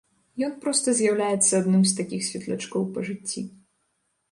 Ён проста з'яўляецца адным з такіх светлячкоў па жыцці.